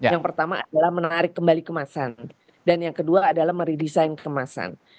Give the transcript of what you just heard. yang pertama adalah menarik kembali kemasan dan yang kedua adalah meredesain kemasan